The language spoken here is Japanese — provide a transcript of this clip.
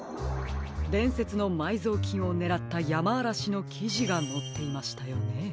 でんせつのまいぞうきんをねらったやまあらしのきじがのっていましたよね。